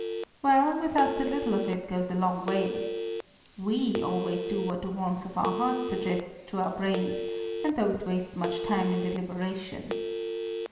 Well, with us a little of it goes a long way. We always do what the warmth of our hearts suggests to our brains, and don't waste much time in deliberation.